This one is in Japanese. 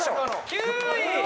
９位！